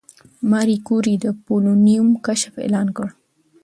ماري کوري د پولونیم کشف اعلان کړ.